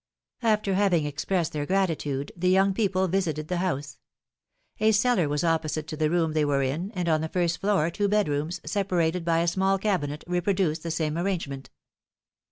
'^ After having expressed their gratitude, the young people visited the house. A cellar was opposite to the room they were in, and on the first floor two bed rooms, separated by a small cabinet, reproduced the same arrangement.